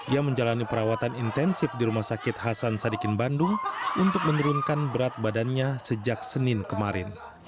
ia menjalani perawatan intensif di rumah sakit hasan sadikin bandung untuk menurunkan berat badannya sejak senin kemarin